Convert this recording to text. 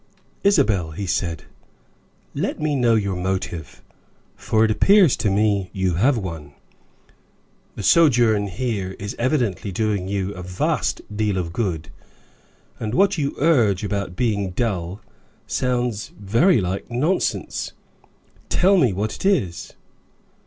"Isabel," he said, "let me know your motive, for it appears to me you have one. The sojourn here is evidently doing you a vast deal of good, and what you urge about 'being dull,' sounds very like nonsense. Tell me what it is."